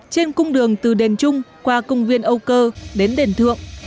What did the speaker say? trên cung đường từ đền trung qua công viên âu cơ đến đền thượng